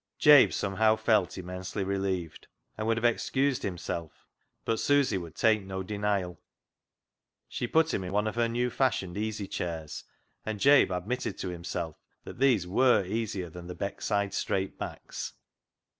Jabe somehow felt immensely relieved, and would have excused himself, but Susy would take no denial. She put him in one of her new fashioned easy chairs, and Jabe admitted to himself that these ivere easier than the Beckside straight backs.